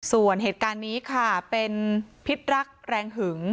ส่วนเหตุการณ์นี้ค่ะเป็นพิษรักแรงหึง